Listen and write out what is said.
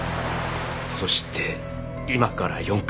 そして今から４カ月前。